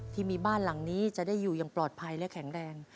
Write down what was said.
ที่มีบ้านหลังนี้จะได้อยู่อย่างปลอดภัยและแข็งแรง